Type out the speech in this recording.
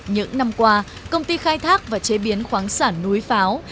những năm qua công ty khai thác và chế biến khoáng sản núi pháo